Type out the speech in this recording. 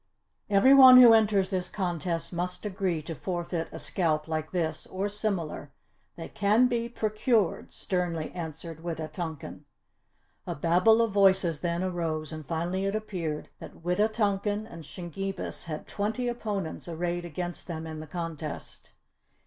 "Every one who enters this contest must agree to forfeit a scalp like this or similar. They can be procured!" sternly answered Wita tonkan. A babel of voices then arose and finally it appeared that Wita tonkan and Shingebis had twenty opponents arrayed against them in the contest.